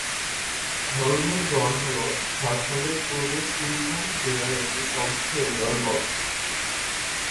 ধলভূমগড় হল ঝাড়খণ্ডের পূর্ব সিংভূম জেলার একটি সমষ্টি উন্নয়ন ব্লক।